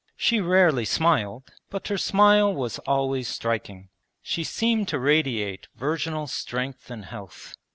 She rarely smiled, but her smile was always striking. She seemed to radiate virginal strength and health.